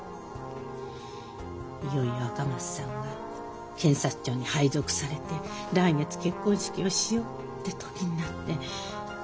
いよいよ赤松さんが検察庁に配属されて来月結婚式をしようって時になって。